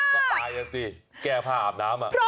ก็อายกันสิแก้ผ้าอาบน้ำ